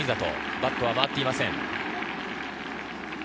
バットは回っていません。